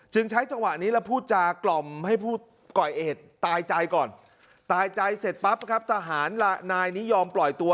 ใช้จังหวะนี้แล้วพูดจากล่อมให้ผู้ก่อเหตุตายใจก่อนตายใจเสร็จปั๊บครับทหารนายนี้ยอมปล่อยตัว